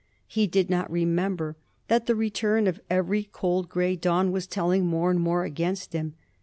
He did not remember that the return of every cold gray dawn was telling more and more against him.